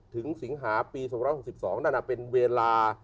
สิงหาปี๒๖๒นั่นเป็นเวลา